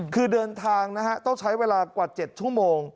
คือเดินทางนะฮะต้องใช้เวลากว่า๗ชั่วโมง